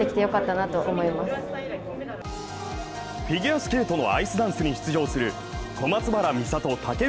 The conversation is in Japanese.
フィギュアスケートのアイスダンスに出場する小松原美里・尊